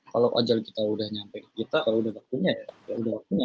kalau ajal kita udah nyampe kita kalau udah waktunya ya